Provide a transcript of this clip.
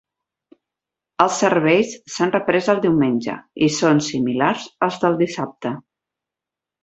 Els serveis s'han reprès el diumenge i són similars als del dissabte.